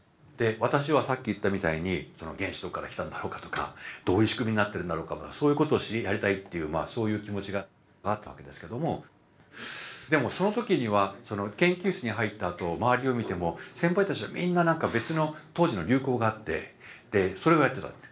私はさっき言ったみたいに原子どっから来たんだろうかとかどういう仕組みになってるんだろうかそういうことをやりたいっていうそういう気持ちがあったわけですけどもでもその時には研究室に入ったあと周りを見ても先輩たちはみんな何か別の当時の流行があってそれをやってたんです。